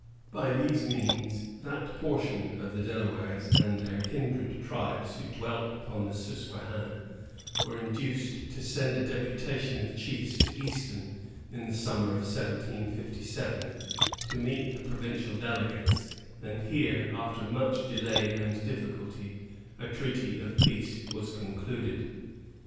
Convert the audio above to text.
By these means, that portion of the Delawares and their kindred tribes who dwelt upon the Susquehanna, were induced to send a deputation of chiefs to Easton, in the summer of 1757, to meet the provincial delegates; and here, after much delay and difficulty, a treaty of peace was concluded.